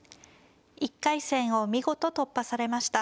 １回戦を見事突破されました。